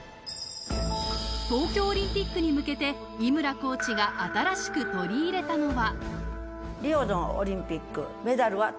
東京オリンピックに向けて井村コーチが新しく取り入れたのは。